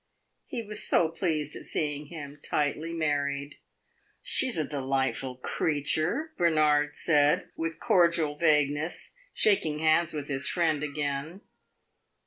He was so pleased at seeing him tightly married. "She 's a delightful creature," Bernard said, with cordial vagueness, shaking hands with his friend again.